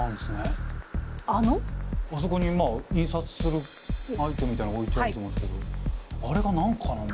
あそこにまあ印刷するアイテムみたいなのが置いてあると思うんすけどあれが何かなんだ。